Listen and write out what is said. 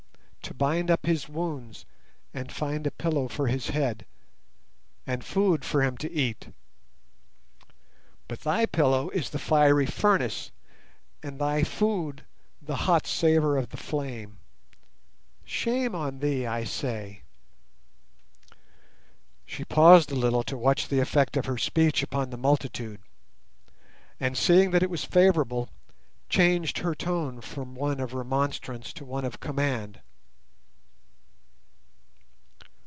To bind up his wounds, and find a pillow for his head, and food for him to eat. But thy pillow is the fiery furnace, and thy food the hot savour of the flame. Shame on thee, I say!" She paused a little to watch the effect of her speech upon the multitude, and seeing that it was favourable, changed her tone from one of remonstrance to one of command.